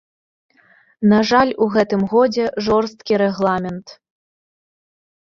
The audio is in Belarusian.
На жаль, у гэтым годзе жорсткі рэгламент.